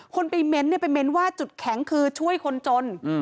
คนไปเม้นต์ไปเน้นว่าจุดแข็งคือช่วยคนจน